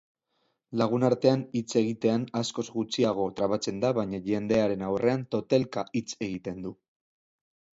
Lagunartean hitz egitean askoz gutxiago trabatzen da baina jendearen aurrean totelka hitz egiten du.